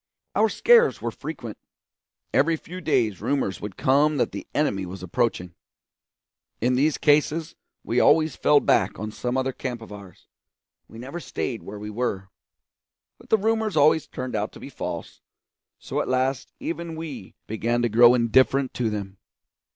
Our scares were frequent. Every few days rumours would come that the enemy were approaching. In these cases we always fell back on some other camp of ours; we never stayed where we were. But the rumours always turned out to be false; so at last even we began to grow indifferent to them.